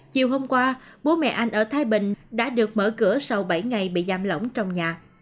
chiều hôm qua bố mẹ anh ở thái bình đã được mở cửa sau bảy ngày bị giam lỏng trong nhà